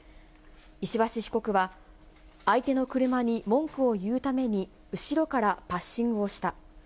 石橋被告は、相手の車に文句を言うために後ろからパッシングをした。